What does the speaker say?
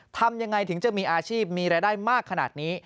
ทำยังไงถึงจะมีอาชีพมีรายได้มากขนาดนี้